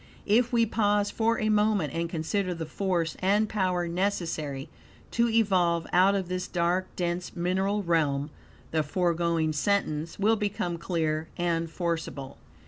If we pause for a moment and consider the force and power necessary to evolve out of this dark, dense, mineral realm, the foregoing sentence will become clear and forcible.